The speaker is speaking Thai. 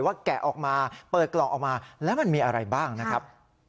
แกะออกมาเปิดกล่องออกมาแล้วมันมีอะไรบ้างนะครับ